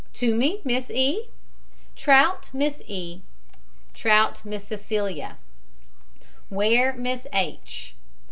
TOOMEY, MISS. E. TROUTT, MISS E. TROUTT, MISS CECELIA. WARE, MISS H.